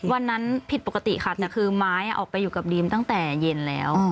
วันนั้นผิดปกติค่ะแต่คือไม้ออกไปอยู่กับดีมตั้งแต่เย็นแล้ว